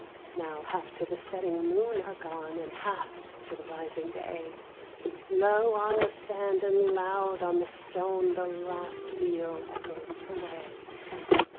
Now half to the setting moon are gone, And half to the rising day; Low on the sand and loud on the stone The last wheel echoes away.